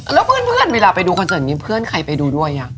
แล้วเพื่อนเวลาไปดูคอนเสิร์ตนี้เพื่อนใครไปดูด้วย